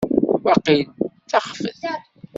Waqil d taxfet.